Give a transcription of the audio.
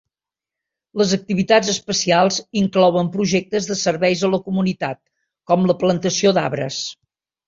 Les activitats especials inclouen projectes de serveis a la comunitat com la plantació d'arbres.